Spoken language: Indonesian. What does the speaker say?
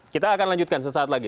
kita akan lanjutkan sesaat lagi